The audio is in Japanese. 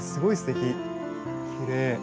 きれい！